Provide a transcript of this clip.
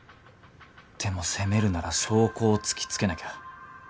でも攻めるなら証拠を突きつけなきゃ。